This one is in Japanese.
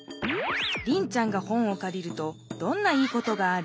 リンちゃんが本をかりるとどんないいことがある？